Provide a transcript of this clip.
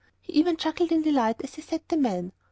He even chuckled in delight as he set the men.